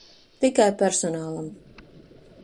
Tikai personālam.